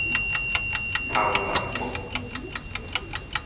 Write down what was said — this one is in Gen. Awu a kpo.